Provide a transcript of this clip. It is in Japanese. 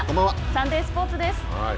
サンデースポーツです。